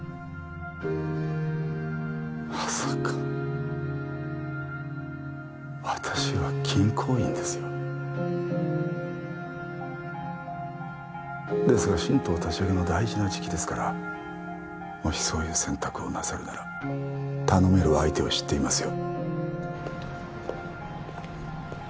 まさか私は銀行員ですよですが新党立ち上げの大事な時期ですからもしそういう選択をなさるなら頼める相手を知っていますよ